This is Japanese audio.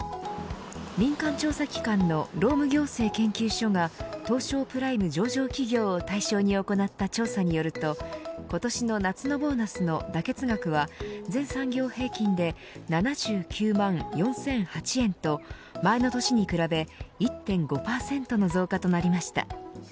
民間調査機関の労務行政研究所が東証プライム上場企業を対象に行った調査によると今年の夏のボーナスの妥結額は全産業平均で７９万４００８円と前の年に比べ１．５％の増加となりました。